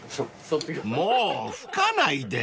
［もう噴かないで！］